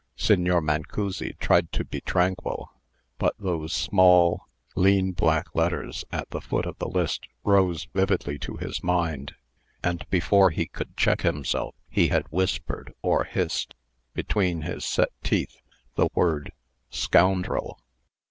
Signor Mancussi tried to be tranquil, but those small, lean black letters at the foot of the list rose vividly to his mind; and, before he could check himself, he had whispered, or hissed, between his set teeth, the word, "SCOUNDREL!"